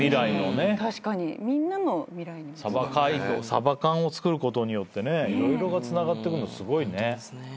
サバ缶を作ることによって色々つながってくのすごいね。